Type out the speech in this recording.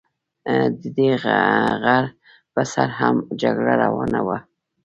د دې غر پر سر هم جګړه روانه وه.